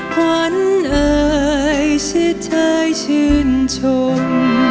หวันเอ่ยชิดใจชื่นชม